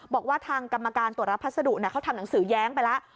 บอกว่าทางกรรมการตรวจรับพัสดุเขาทำหนังสือแย้งไปแล้ว